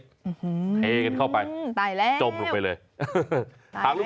เทกกันเข้าไปจมลงไปเลยตายแล้ว